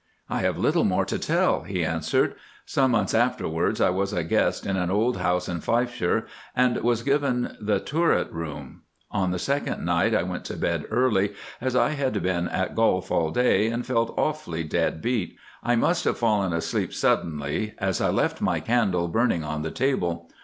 "I have little more to tell," he answered. "Some months afterwards I was a guest in an old house in Fifeshire, and was given the turret room. On the second night I went to bed early, as I had been at golf all day and felt awfully dead beat. I must have fallen asleep suddenly, as I left my candle burning on the table.